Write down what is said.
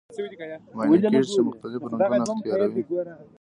معاینه کیږي چې مختلف رنګونه اختیاروي.